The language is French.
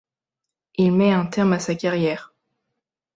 Il met un terme à sa carrière.